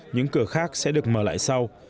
những cửa khác sẽ được mở lại sau